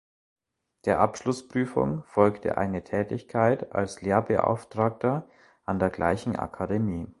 Der Abschlussprüfung folgte eine Tätigkeit als Lehrbeauftragter an der gleichen Akademie.